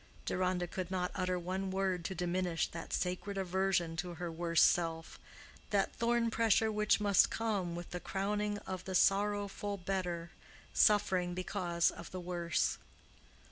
Deronda could not utter one word to diminish that sacred aversion to her worst self—that thorn pressure which must come with the crowning of the sorrowful better, suffering because of the worse.